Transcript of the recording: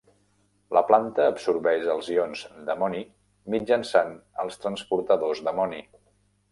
La planta absorbeix els ions d'amoni mitjançant els transportadors d'amoni.